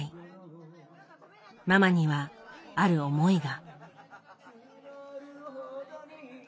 ママにはある思いが。